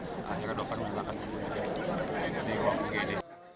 akhirnya dokter menyatakan dia di ruang pgd